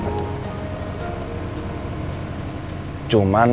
gue gak tau kenapa gue bisa jelas banget